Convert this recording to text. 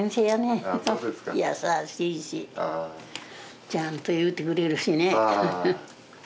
優しいしちゃんと言うてくれるしね。